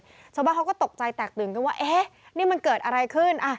ชาวบ้านเขาก็ตกใจแตกตื่นกันว่าเอ๊ะนี่มันเกิดอะไรขึ้น